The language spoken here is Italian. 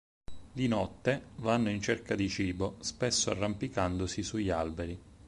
Di notte, vanno in cerca di cibo, spesso arrampicandosi sugli alberi.